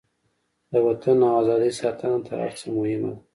د وطن او ازادۍ ساتنه تر هر څه مهمه ده.